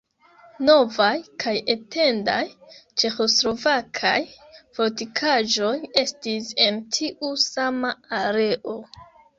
Novaj kaj etendaj ĉeĥoslovakaj fortikaĵoj estis en tiu sama areo.